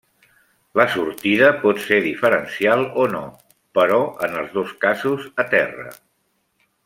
La sortida pot ser diferencial o no, però en els dos casos, a terra.